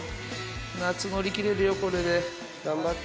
夏乗りきれるよ、これで。頑張って。